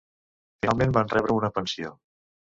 Finalment van rebre una pensió.